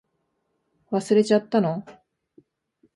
忘れちゃったの？